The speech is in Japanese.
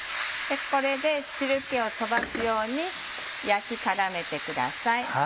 これで汁気を飛ばすように焼き絡めてください。